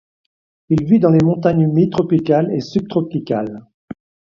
Il vit dans les montagnes humides tropicales et subtropicales.